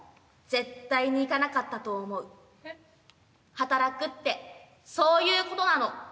働くってそういうことなの。